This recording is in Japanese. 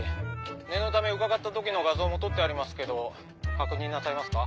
念のため伺った時の画像も撮ってありますけど確認なさいますか？